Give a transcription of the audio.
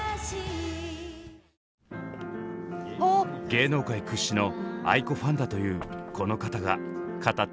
芸能界屈指のａｉｋｏファンだというこの方が語ってくれました。